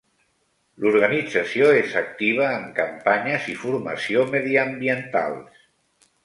L'organització és activa en campanyes i formació mediambientals.